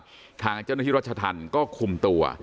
หลบหนีนะครับทางเจ้าหน้าที่รัชทันก็คุมตัว